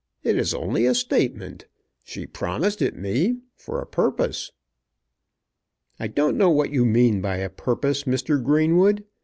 It is only a statement. She promised it me, for a purpose." "I don't know what you mean by a purpose, Mr. Greenwood.